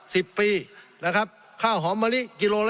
สงบจนจะตายหมดแล้วครับ